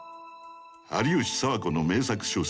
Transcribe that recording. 有吉佐和子の名作小説